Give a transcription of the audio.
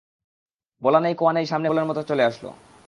বলা নেই কওয়া নেই সামনে ফুটবলের মতো চলে আসলো!